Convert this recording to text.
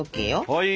はい。